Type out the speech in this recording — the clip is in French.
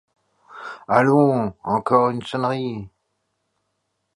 Allons, encore une sonnerie.